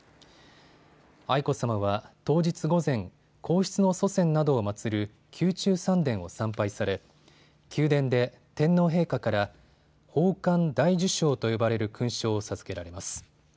愛子さまは当日午前、皇室の祖先などを祭る宮中三殿を参拝され宮殿で天皇陛下から宝冠大綬章と呼ばれる勲章を授けられます。